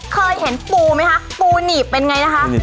เคยเห็นปูไหมคะปูหนีบเป็นไงนะคะ